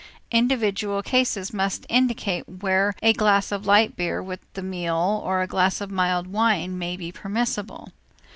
Individual cases must indicate where a glass of light beer with the meal or a glass of a mild wine may be permissible.